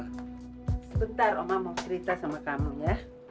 sebentar oma mau cerita sama kamu ya